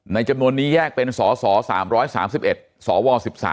จำนวนนี้แยกเป็นสส๓๓๑สว๑๓